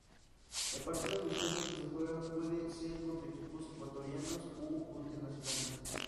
El partido amistoso que se juega puede ser contra equipos ecuatorianos o internacionales.